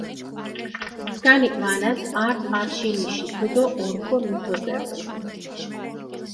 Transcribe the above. სქანი ჸვანას ართ არშინიში თუდო ორქო მითოზეპუ.